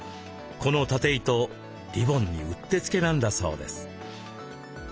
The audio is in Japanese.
この経糸リボンにうってつけなんだそうです。